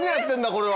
これは。